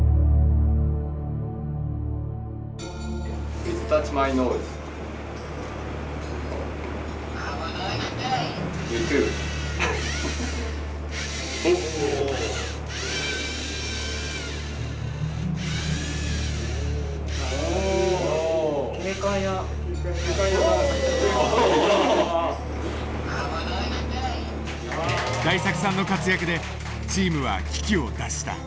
大作さんの活躍でチームは危機を脱した。